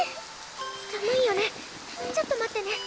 寒いよねちょっと待ってね。